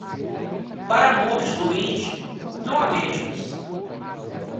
Para a morte doente, não há médicos.